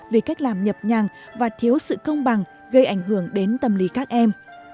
vì cách làm nhập nhằng và thiếu sự công bằng gây ảnh hưởng đến tâm lý các em